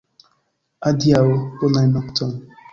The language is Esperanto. Adiaŭ! Bonan nokton!